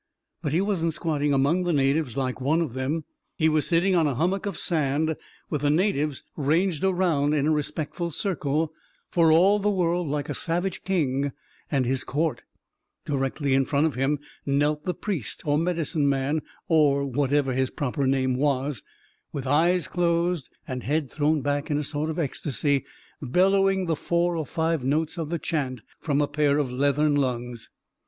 But he wasn't squatting among the natives like one of them. He was sitting on a hummock of sand, with the natives ranged i A KING IN BABYLON 355 around in a respectful circle, for all the world like a savage king and his court. Directly in front of him knelt the priest, or medicine man, or whatever his proper name was, with eyes closed, and head thrown back in a sort of ecstasy, bellowing the four or five notes of the chant from a pair of leathern lungs.